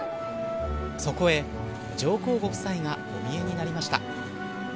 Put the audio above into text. そこへ上皇ご夫妻がお見えになりました。